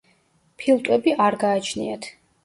ფილტვები არ გააჩნიათ.